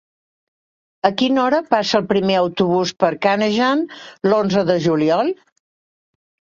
A quina hora passa el primer autobús per Canejan l'onze de juliol?